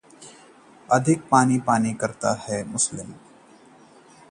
बहुत अधिक पानी पीना भी हो सकता है खतरनाक